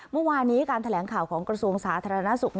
เมื่อวานนี้การแถลงข่าวของกระทรวงสาธารณสุข